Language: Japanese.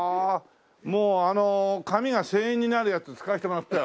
もうあの紙が１０００円になるやつ使わせてもらったよ。